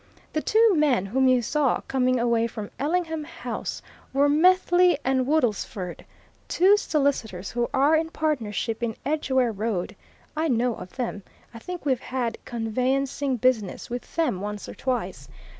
The two men whom you saw coming away from Ellingham House were Methley and Woodlesford, two solicitors who are in partnership in Edgware Road I know of them: I think we've had conveyancing business with them once or twice.